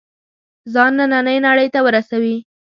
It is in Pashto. ځان نننۍ نړۍ ته ورسوي.